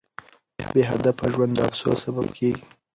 بې هدفه ژوند د افسوس سبب کیږي.